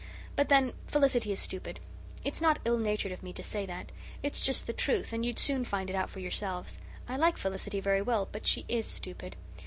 But then, Felicity is stupid. It's not ill natured of me to say that. It's just the truth, and you'd soon find it out for yourselves. I like Felicity very well, but she IS stupid.